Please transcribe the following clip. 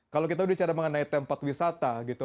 kalau kita bicara mengenai tempat wisata gitu